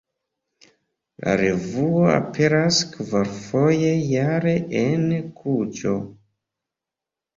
La revuo aperas kvarfoje jare en Kluĵo.